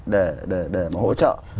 để mà hỗ trợ